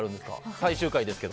最終回ですけど。